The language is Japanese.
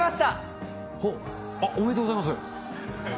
あっ、おめでとうございます。